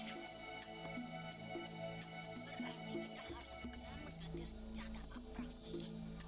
berarti kita harus kenal menggantian jadah apa kus